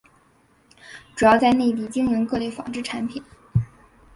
主要在内地经营各类纺织产品。